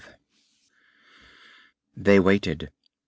V They waited.